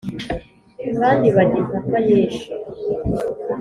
Kandi bajya impaka nyinshi